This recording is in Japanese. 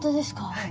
はい。